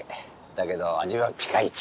だけど味はピカイチ！